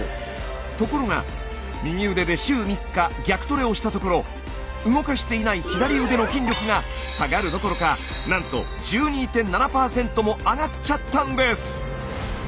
ところが右腕で週３日逆トレをしたところ動かしていない左腕の筋力が下がるどころかなんと１２．７％も上がっちゃったんです！